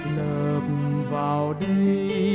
lập vào đây